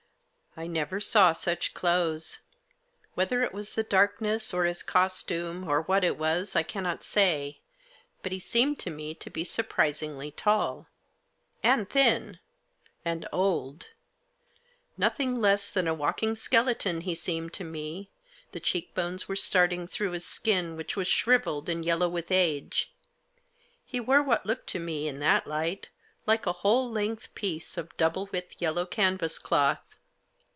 I never saw such clothes. Whether it was the darkness, or his costume, or what it was, I cannot say, but he seemed to me to be surprisingly tall. And thin ! And old ! Nothing less than a walking skeleton he seemed to me, the cheekbones were starting through his skin which was shrivelled and yellow with age. He wore what looked to me, in that light, like a whole length piece of double width yellow canvas cloth.